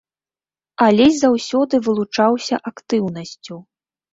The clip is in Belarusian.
Алесь заўсёды вылучаўся актыўнасцю.